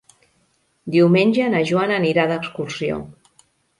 Diumenge na Joana anirà d'excursió.